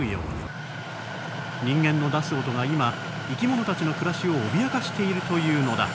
ニンゲンの出す音が今生き物たちの暮らしを脅かしているというのだ。